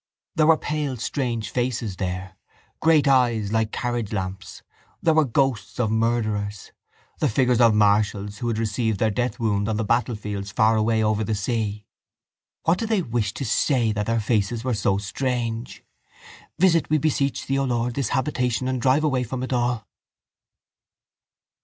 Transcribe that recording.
There were pale strange faces there, great eyes like carriagelamps. They were the ghosts of murderers, the figures of marshals who had received their deathwound on battlefields far away over the sea. What did they wish to say that their faces were so strange? Visit, we beseech Thee, O Lord, this habitation and drive away from it all...